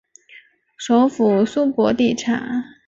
首府苏博蒂察。